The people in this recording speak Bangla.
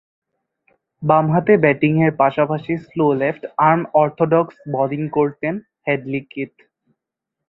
বামহাতে ব্যাটিংয়ের পাশাপাশি স্লো লেফট-আর্ম অর্থোডক্স বোলিং করতেন হেডলি কিথ।